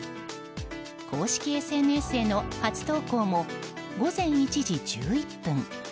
公式ＳＮＳへの初投稿も午前１時１１分。